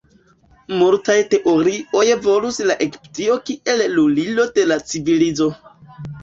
Multaj teorioj volus la Egiptio kiel lulilo de la civilizo.